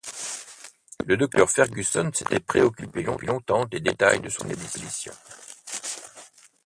Le docteur Fergusson s’était préoccupé depuis longtemps des détails de son expédition.